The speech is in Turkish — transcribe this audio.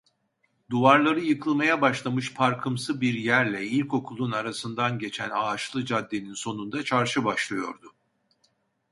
Duvarları yıkılmaya başlamış parkımsı bir yerle ilkokulun arasından geçen ağaçlı caddenin sonunda çarşı başlıyordu.